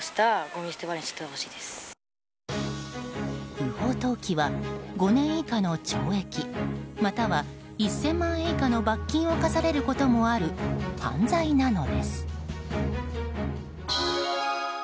不法投棄は５年以下の懲役または１０００万円以下の罰金を科されることもある犯罪なのです。